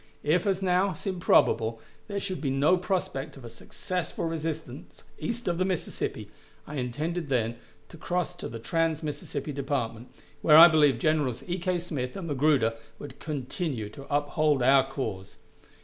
If, as now seemed probable, there should be no prospect of a successful resistance east of the Mississippi, I intended then to cross to the trans Mississippi Department, where I believed Generals E. K. Smith and Magruder would continue to uphold our cause.